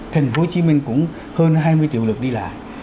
thành phố hồ chí minh cũng hơn hai mươi triệu lượt đi lại